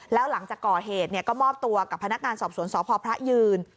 แล้วหลังจากก่อเหตุก็มอบตัวกับพนักงานสอบสวนสพพระยืน